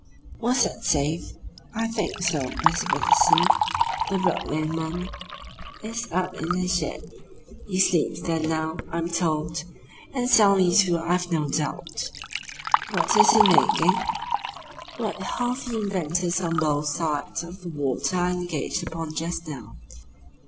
"Was that safe?" "I think so. Mr. Brotherson the Brooklyn one, is up in his shed. He sleeps there now, I am told, and soundly too I've no doubt." "What is he making?" "What half the inventors on both sides of the water are engaged upon just now.